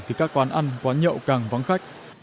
thì các quán ăn quán nhậu càng vắng khách